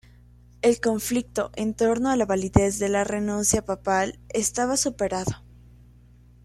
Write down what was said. El conflicto en torno a la validez de la renuncia papal estaba superado.